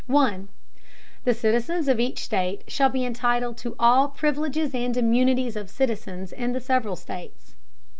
The Citizens of each State shall be entitled to all Privileges and Immunities of Citizens in the several States.